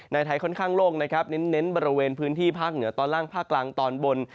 ไทยค่อนข้างโล่งนะครับเน้นบริเวณพื้นที่ภาคเหนือตอนล่างภาคกลางตอนบน